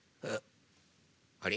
あれ？